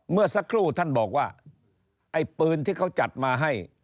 เมื่อสักครู่ท่านบอกว่าไอ้ปืนที่เขาจัดมาให้